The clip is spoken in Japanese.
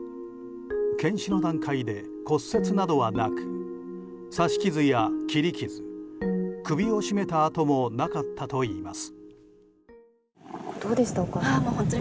検視の段階で骨折などはなく刺し傷や切り傷、首を絞めた痕もなかったといいます。